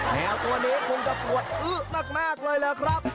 แมวตัวนี้คงจะปวดอื้อมากเลยล่ะครับ